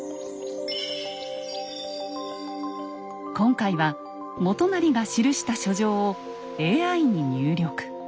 今回は元就が記した書状をＡＩに入力。